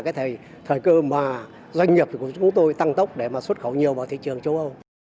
cái thời cơ mà doanh nghiệp của chúng tôi tăng tốc để mà xuất khẩu nhiều vào thị trường châu âu